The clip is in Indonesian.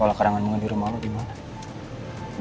soal karangan mengadu rumah lo gimana